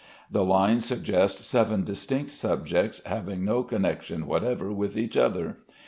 The lines suggest seven distinct subjects having no connection whatever with each other.